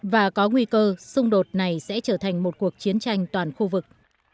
và có nguy cơ xung đột này sẽ trở thành một cuộc chiến tranh toàn khu vực